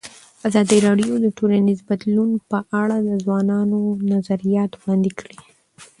ازادي راډیو د ټولنیز بدلون په اړه د ځوانانو نظریات وړاندې کړي.